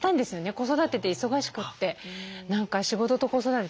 子育てで忙しくて何か仕事と子育てで。